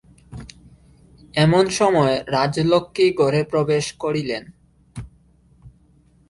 এমন সময় রাজলক্ষ্মী ঘরে প্রবেশ করিলেন।